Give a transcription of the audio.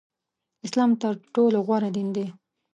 اسلام تر ټولو غوره دین دی